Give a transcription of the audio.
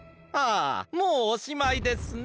あもうおしまいですね。